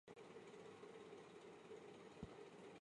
韩国国立民俗博物馆最初建于首尔南山。